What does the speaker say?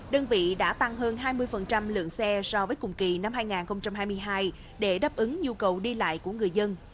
đơn vị đã tăng hơn hai mươi lượng xe so với cùng kỳ năm hai nghìn hai mươi hai để đáp ứng nhu cầu đi lại của người dân